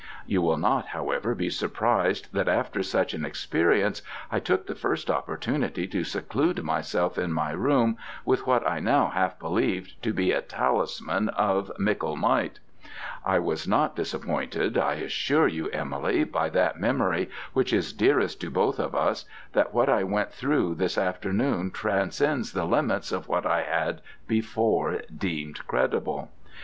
You will not, however, be surprised that after such an experience I took the first opportunity to seclude myself in my room with what I now half believed to be a talisman of mickle might. I was not disappointed. I assure you, Emily, by that memory which is dearest to both of us, that what I went through this afternoon transcends the limits of what I had before deemed credible.